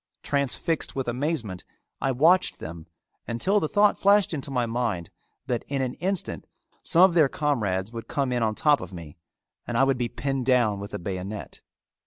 Transfixed with amazement, I watched them until the thought flashed into my mind that in an instant some of their comrades would come in on top of me and I would be pinned down with a bayonet.